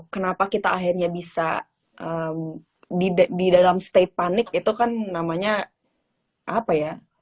kenapa kita akhirnya bisa di dalam state panik itu kan namanya apa ya